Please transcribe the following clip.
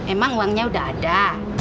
emang uangnya udah ada